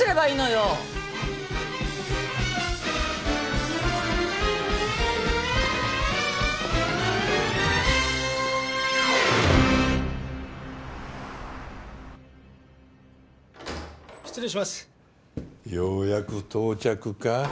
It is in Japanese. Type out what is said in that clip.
ようやく到着か？